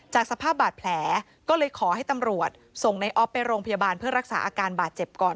สภาพบาดแผลก็เลยขอให้ตำรวจส่งในออฟไปโรงพยาบาลเพื่อรักษาอาการบาดเจ็บก่อน